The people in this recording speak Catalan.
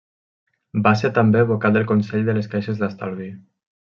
Va ser també vocal del Consell de les Caixes d'Estalvi.